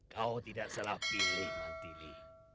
kau tidak salah pilih mantili